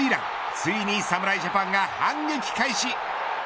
ついに、侍ジャパンが反撃開始。